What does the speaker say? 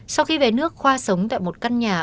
sau khi về nước khoa sống tại một căn nhà